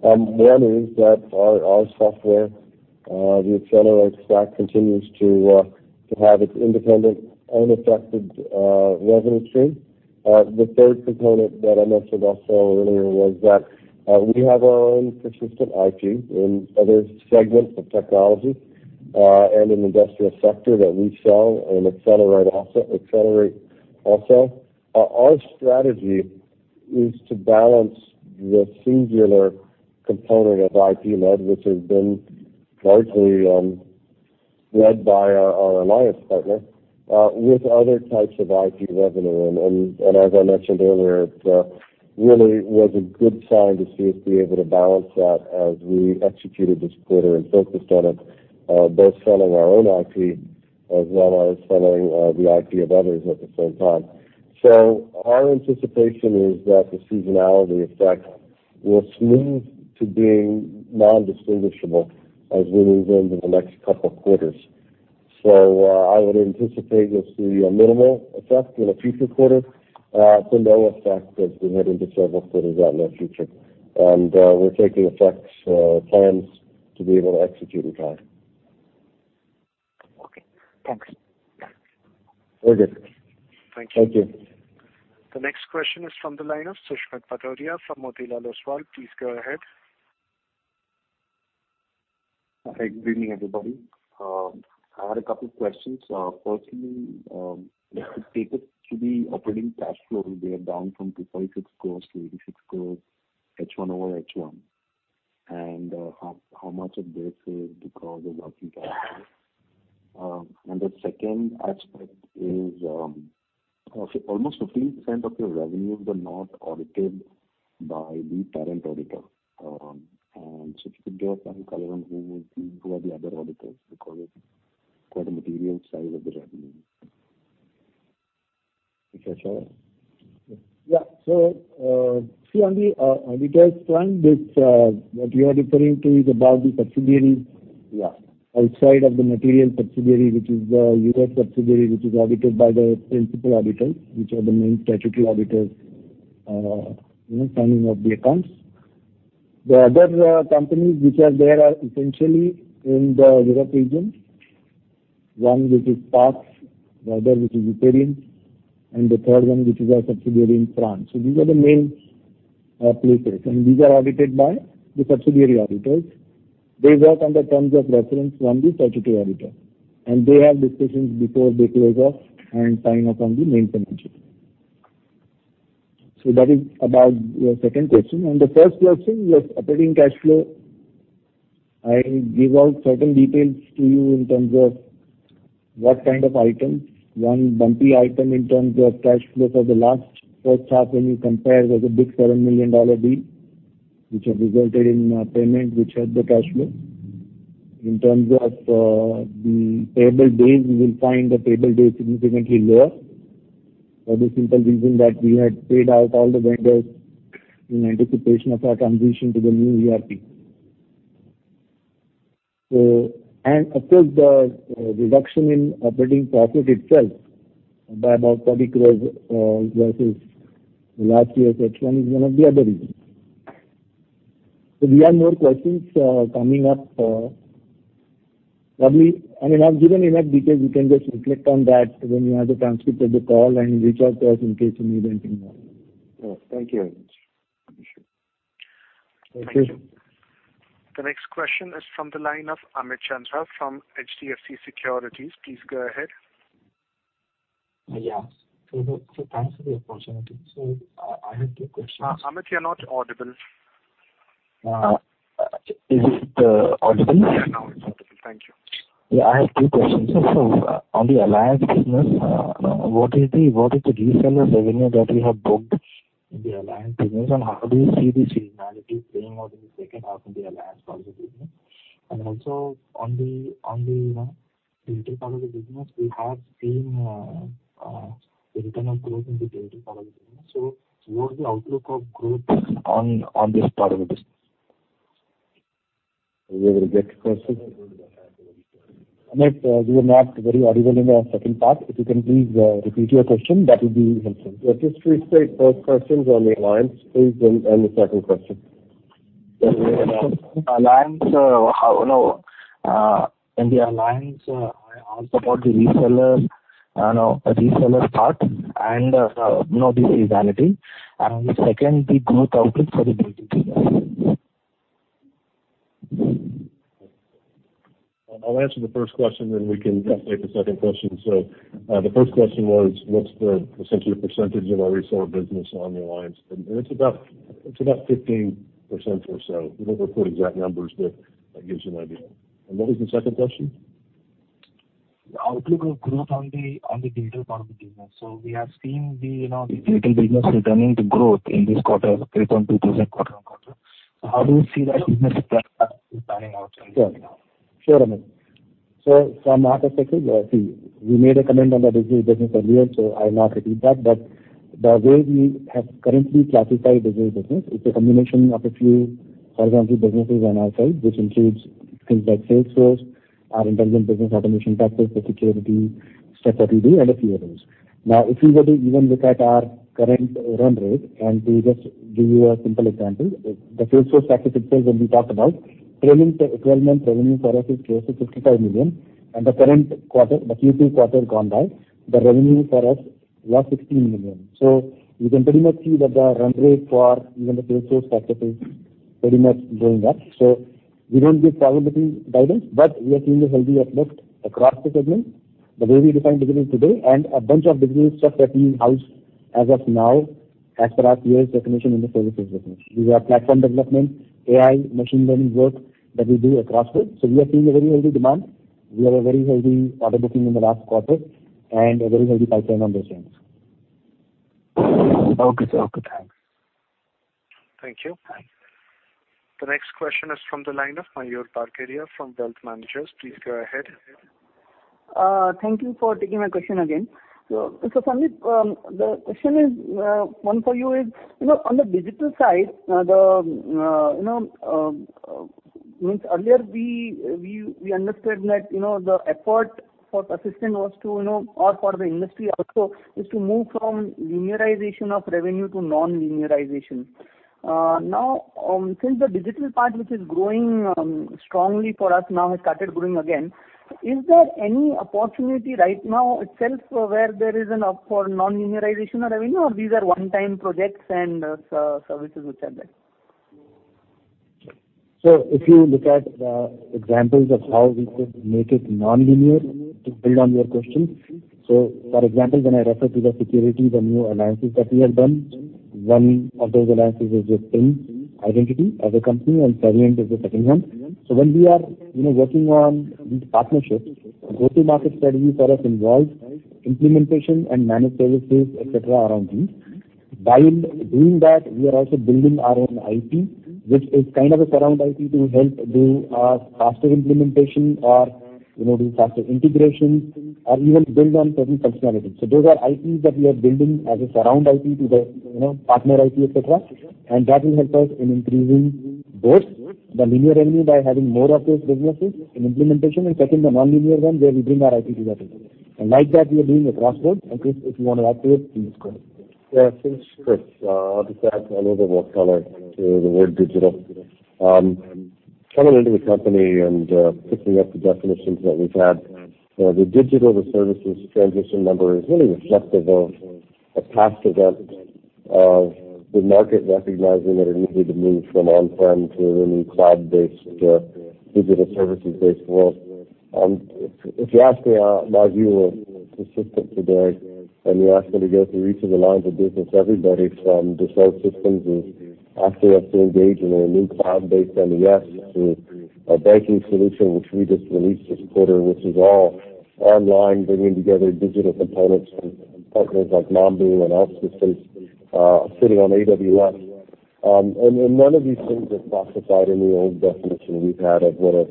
One is that our software, the Accelerite stack, continues to have its independent, unaffected revenue stream. The third component that I mentioned also earlier was that we have our own Persistent IP in other segments of technology, and an industrial sector that we sell in Accelerite also. Our strategy is to balance the singular component of IP-led, which has been largely led by our alliance partner, with other types of IP revenue. As I mentioned earlier, it really was a good sign to see us be able to balance that as we executed this quarter and focused on it, both selling our own IP as well as selling the IP of others at the same time. Our anticipation is that the seasonality effect will smooth to being non-distinguishable as we move into the next couple of quarters. I would anticipate you'll see a minimal effect in a future quarter to no effect as we head into several quarters out in the future. We're taking effects, plans to be able to execute in kind. Okay, thanks. Very good. Thank you. Thank you. The next question is from the line of Susmit Patodia from Motilal Oswal. Please go ahead. Hi, good evening, everybody. I had a couple questions. Firstly, take us through the operating cash flows. They are down from 2.6 crore to 0.86 crore H1 over H1. How much of this is because of working capital? The second aspect is, almost 15% of your revenues were not audited by the current auditor. If you could give some color on who are the other auditors, because it's quite a material size of the revenue. Keshav? Yeah. see, on the auditors front, what you are referring to is about the subsidiaries- Yeah outside of the material subsidiary, which is the U.S. subsidiary, which is audited by the principal auditors, which are the main statutory auditors signing off the accounts. The other companies which are there are essentially in the Europe region. One, which is PARX, the other, which is, [inaudible] and the third one, which is our subsidiary in France. These are the main places, and these are audited by the subsidiary auditors. They work on the terms of reference from the statutory auditor, and they have discussions before they close off and sign off on the main financials. That is about your second question. On the first question, yes, operating cash flow, I give out certain details to you in terms of what kind of items, one bumpy item in terms of cash flow for the last first half when you compare, there's a big $7 million deal, which have resulted in payment, which has the cash flow. In terms of the payable days, you will find the payable days significantly lower for the simple reason that we had paid out all the vendors in anticipation of our transition to the new ERP. Of course, the reduction in operating profit itself by about 20 crore versus last year's H1 is one of the other reasons. We have more questions coming up. Probably. I mean, I've given enough detail. You can just reflect on that when you have the transcript of the call and reach out to us in case you need anything more. All right. Thank you very much. Sure. Thank you. The next question is from the line of Amit Chandra from HDFC Securities. Please go ahead. Yeah. Thanks for the opportunity. I have two questions. Amit, you're not audible. Is it audible? Yeah, now it's audible. Thank you. Yeah, I have two questions. On the alliance business, what is the reseller revenue that you have booked in the alliance business, and how do you see the seasonality playing out in the second half in the alliance part of the business? Also on the digital part of the business, we have seen internal growth in the digital part of the business. What is the outlook of growth on this part of the business? Were you able to get his question? Amit, you were not very audible in the second part. If you can please repeat your question, that would be helpful. Just restate first question on the alliance, please, and the second question. Alliance. In the alliance, I asked about the reseller part and the seasonality, and the second, the growth outlook for the digital business. I'll answer the first question, then we can escalate the second question. The first question was, what's the essentially percentage of our reseller business on the alliance? It's about 15% or so. We don't report exact numbers, but that gives you an idea. What was the second question? Outlook of growth on the digital part of the business. We have seen the digital business returning to growth in this quarter compared to previous quarter-on-quarter. How do you see that business planning out from here? Sure, Amit. From our perspective, see, we made a comment on the digital business earlier, I'll not repeat that. The way we have currently classified digital business, it's a combination of a few horizontal businesses on our side, which includes things like Salesforce, our intelligent business automation platform for security, [step-up, PD], and a few others. If you were to even look at our current run rate, and to just give you a simple example, the Salesforce statistics that we talked about, trailing 12-month revenue for us is close to 55 million, and the current quarter, the Q2 quarter gone by, the revenue for us was 16 million. You can pretty much see that the run rate for even the Salesforce package is pretty much going up. We don't give profitability guidance, but we are seeing a healthy uplift across the segment, the way we define digital today, and a bunch of digital stuff that we house as of now, as per our PA's definition in the services business. These are platform development, AI, machine learning work that we do across goods. We are seeing a very healthy demand. We have a very healthy order booking in the last quarter and a very healthy pipeline on those lines. Okay, sir. Okay, thanks. Thank you. The next question is from the line of Mayur Parkeria from Wealth Managers. Please go ahead. Thank you for taking my question again. Sandeep, the question, one for you is, on the digital side, earlier we understood that the effort for Persistent was to, or for the industry also, is to move from linearization of revenue to non-linearization. Now, since the digital part which is growing strongly for us now has started growing again, is there any opportunity right now itself where there is an up for non-linearization of revenue, or these are one-time projects and services which are there? If you look at the examples of how we could make it non-linear, to build on your question. For example, when I refer to the securities and new alliances that we have done, one of those alliances is with Ping Identity as a company, and Saviynt is the second one. When we are working on these partnerships, go-to-market strategy for us involves implementation and managed services, et cetera, around these. While doing that, we are also building our own IP, which is kind of a surround IP to help do faster implementation or do faster integration or even build on certain functionalities. Those are IPs that we are building as a surround IP to the partner IP, et cetera. That will help us in increasing both the linear revenue by having more of those businesses in implementation, and second, the non-linear one, where we bring our IP to the table. Like that, we are doing across goods. Chris, if you want to add to it, please go ahead. Yeah, thanks, Chris. I'll just add a little bit more color to the word digital. Coming into the company and picking up the definitions that we've had. The digital to services transition number is really reflective of a past event of the market recognizing that it needed to move from on-prem to a new cloud-based, digital services-based world. If you ask the view of Persistent today, and you ask them to go through each of the lines of business, everybody from Dassault Systèmes is asking us to engage in a new cloud-based MES to a banking solution which we just released this quarter, which is all online, bringing together digital components from partners like Mambu and else whose space sitting on AWS. None of these things are classified in the old definition we've had of what a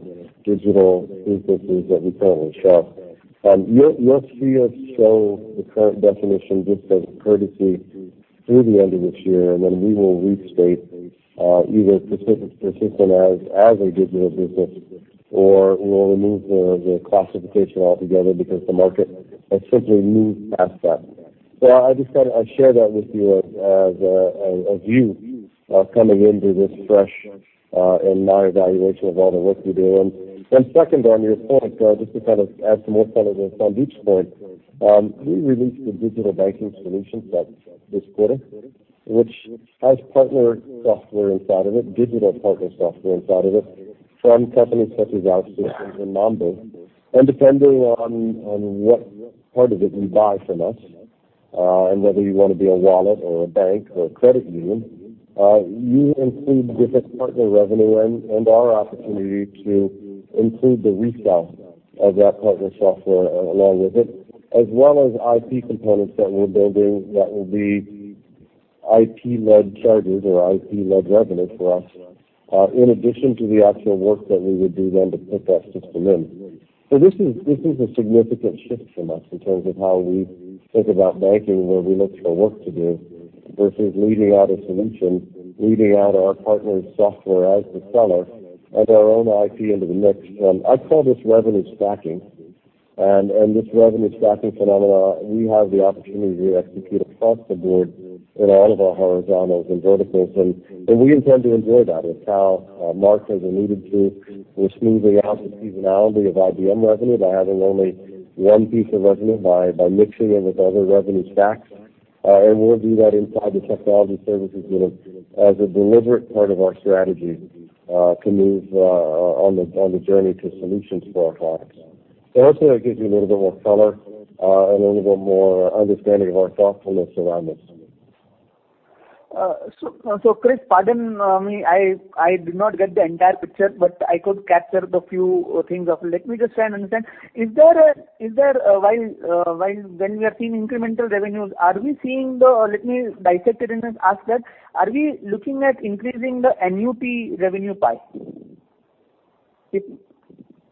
digital business is that we currently show. You'll see us show the current definition just as a courtesy through the end of this year, and then we will restate either Persistent as a digital business, or we'll remove the classification altogether because the market has simply moved past that. I just thought I'd share that with you as a view coming into this fresh and my evaluation of all the work we're doing. Second, on your point, just to kind of add some more color there on Sandeep's point. We released a digital banking solution set this quarter, which has partner software inside of it, digital partner software inside of it from companies such as OutSystems and Mambu. Depending on what part of it you buy from us, and whether you want to be a wallet or a bank or a credit union, you include different partner revenue and our opportunity to include the resale of that partner software along with it. As well as IP components that we're building that will be IP-led charges or IP-led revenue for us, in addition to the actual work that we would do then to put that system in. This is a significant shift from us in terms of how we think about banking, where we look for work to do, versus leading out a solution, leading out our partners' software as the seller and our own IP into the mix. I call this revenue stacking. This revenue stacking phenomena, we have the opportunity to execute across the board in all of our horizontals and verticals. We intend to enjoy that. It's how Mark has alluded to, we're smoothing out the seasonality of IBM revenue by adding only one piece of revenue, by mixing it with other revenue stacks. We'll do that inside the technology services unit as a deliberate part of our strategy to move on the journey to solutions for our products. Hopefully that gives you a little bit more color, a little bit more understanding of our thoughtfulness around this. Chris, pardon me, I did not get the entire picture, but I could capture the few things of it. Let me just try and understand. When we are seeing incremental revenues, are we seeing or let me dissect it and ask that, are we looking at increasing the non-linear revenue pie?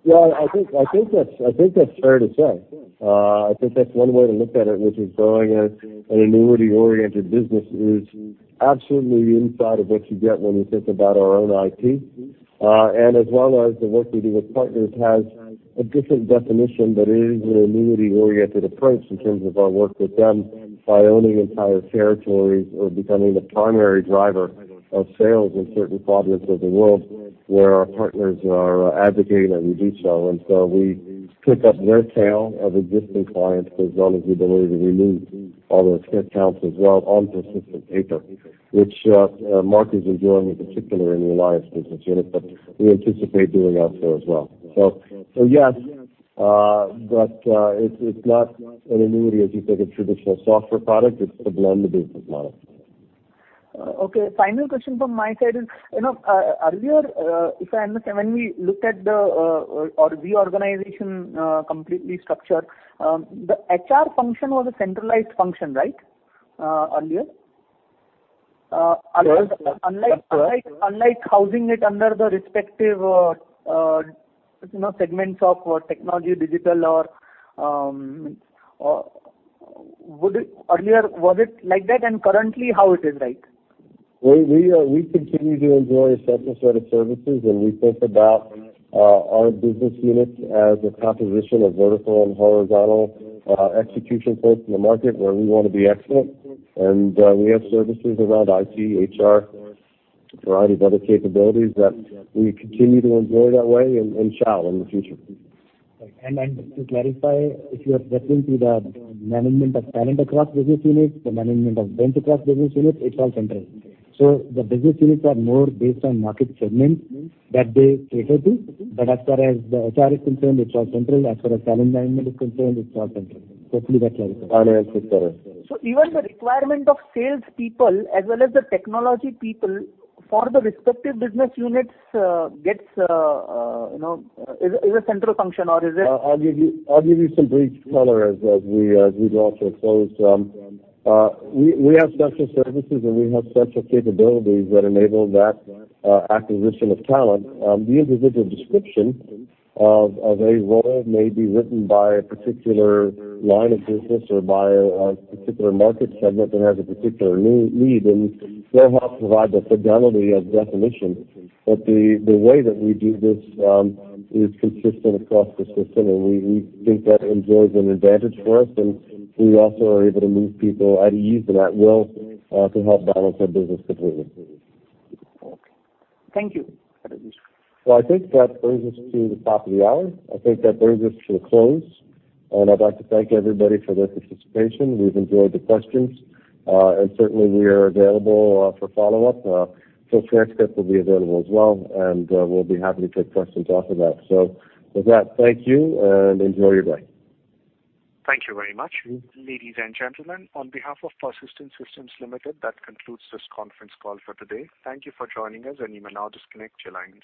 Well, I think that's fair to say. I think that's one way to look at it, which is growing as an annuity-oriented business is absolutely inside of what you get when you think about our own IT. As well as the work we do with partners has a different definition, but it is an annuity-oriented approach in terms of our work with them by owning entire territories or becoming the primary driver of sales in certain pockets of the world where our partners are advocating that we do so. So we pick up their tail of existing clients as well as we deliver the new, all those head counts as well on Persistent paper, which Mark is enjoying in particular in the alliance business unit that we anticipate doing out there as well. Yes, but it's not an annuity as you think a traditional software product, it's a blended business model. Okay. Final question from my side is, earlier, if I understand, when we looked at the reorganization completely structured, the HR function was a centralized function, right? Earlier. Yes. Unlike housing it under the respective segments of technology, digital or earlier, was it like that? Currently how it is? We continue to enjoy a central set of services. We think about our business units as a composition of vertical and horizontal execution points in the market where we want to be excellent. We have services around IT, HR, a variety of other capabilities that we continue to enjoy that way and shall in the future. Just to clarify, if you are referring to the management of talent across business units, the management of bench across business units, it's all central. The business units are more based on market segments that they cater to. As far as the HR is concerned, it's all central. As far as talent management is concerned, it's all central. Hopefully that clarifies. Got it. Yes, sir. Even the requirement of salespeople as well as the technology people for the respective business units is a central function or is it-? I'll give you some brief color as we draw to a close. We have central services, and we have central capabilities that enable that acquisition of talent. The individual description of a role may be written by a particular line of business or by a particular market segment that has a particular need, and they'll help provide the fidelity of definition. The way that we do this is consistent across the system, and we think that enjoys an advantage for us, and we also are able to move people, add, use them at will, to help balance our business completely. Okay. Thank you. Well, I think that brings us to the top of the hour. I think that brings us to a close. I'd like to thank everybody for their participation. We've enjoyed the questions. Certainly, we are available for follow-up. Phil Fersht will be available as well, and we'll be happy to take questions off of that. With that, thank you, and enjoy your day. Thank you very much. Ladies and gentlemen, on behalf of Persistent Systems Limited, that concludes this conference call for today. Thank you for joining us, and you may now disconnect your lines.